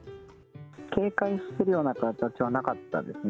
警戒するような感じはなかったですね。